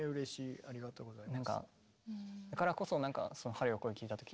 ありがとうございます。